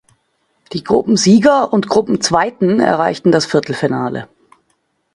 Die Gruppensieger und Gruppenzweiten erreichten das Viertelfinale.